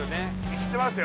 知ってますよ